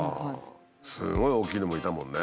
すごい大きいのもいたもんね。